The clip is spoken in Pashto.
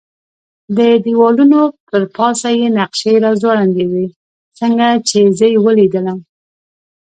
د دېوالونو پر پاسه یې نقشې را ځوړندې وې، څنګه چې یې زه ولیدلم.